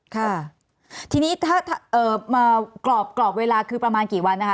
ค่ะทีนี้ถ้ากรอบเวลาคือประมาณกี่วันนะคะ